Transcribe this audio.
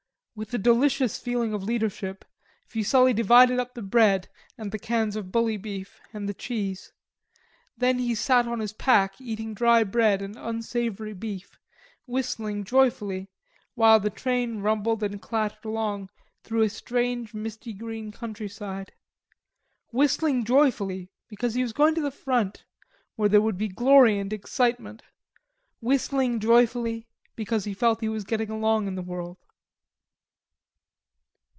With a delicious feeling of leadership, Fuselli divided up the bread and the cans of bully beef and the cheese. Then he sat on his pack eating dry bread and unsavoury beef, whistling joyfully, while the train rumbled and clattered along through a strange, misty green countryside, whistling joyfully because he was going to the front, where there would be glory and excitement, whistling joyfully because he felt he was getting along in the world.